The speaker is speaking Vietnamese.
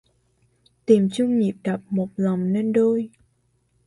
Tìm chung nhịp đập một lòng nên đôi.